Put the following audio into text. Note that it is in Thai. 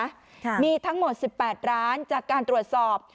ค่ะมีทั้งหมดสิบแปดร้านจากการตรวจสอบ